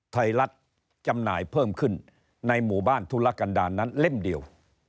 ไทยรัฐจำหน่ายเพิ่มขึ้นในหมู่บ้านธุรกันดาลนั้นเล่มเดียว